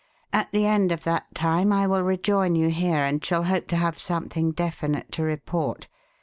At the end of that time I will rejoin you here, and shall hope to have something definite to report.